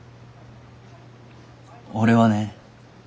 俺はね